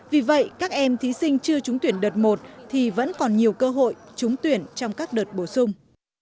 vì vậy các em thí sinh chưa trúng tuyển đợt một thì vẫn còn nhiều cơ hội trúng tuyển trong các đợt bổ sung